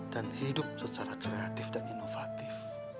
dan hidup secara kreatif dan inovatif